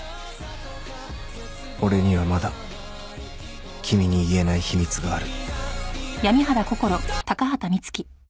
俺にはまだ君に言えない秘密がある